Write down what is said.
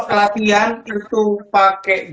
kelapian itu pakai